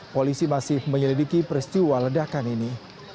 polisi masih menyelidiki peristiwa ledakan ini